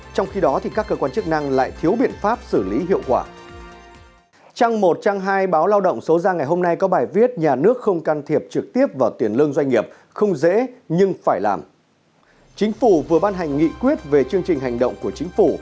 chính phủ vừa ban hành nghị quyết về chương trình hành động của chính phủ